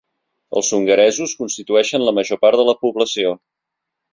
Els hongaresos constitueixen la major part de la població.